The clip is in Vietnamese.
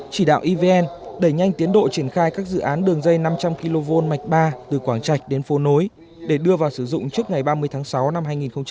chỉ đạo evn đẩy nhanh tiến độ triển khai các dự án đường dây năm trăm linh kv mạch ba từ quảng trạch đến phố nối để đưa vào sử dụng trước ngày ba mươi tháng sáu năm hai nghìn hai mươi